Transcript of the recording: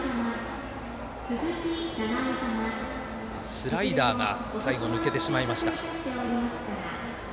スライダーが最後、抜けてしまいました。